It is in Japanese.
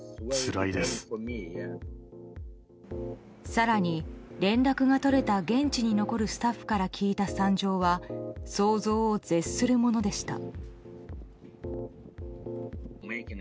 更に連絡が取れた現地に残るスタッフから聞いた惨状は想像を絶するものでした。